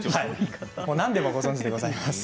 何でもご存じでございます。